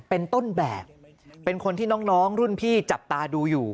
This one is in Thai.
เป็นต้นแบบเป็นคนที่น้องรุ่นพี่จับตาดูอยู่